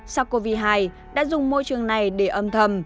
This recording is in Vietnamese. sars cov hai đã dùng môi trường này để âm thầm